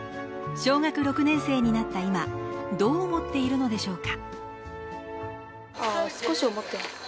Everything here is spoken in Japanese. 小学６年生になった今、どう思っているのでしょうか？